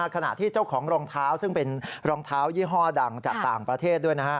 ขณะที่เจ้าของรองเท้าซึ่งเป็นรองเท้ายี่ห้อดังจากต่างประเทศด้วยนะฮะ